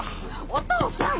お父さん！